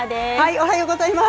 おはようございます。